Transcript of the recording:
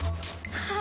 ああ